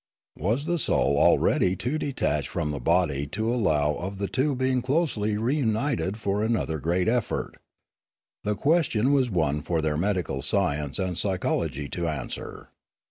Was the soul already too detached from the body to allow of the two being closely reunited for another great effort ? The question was one for their medical science and psychology to answer.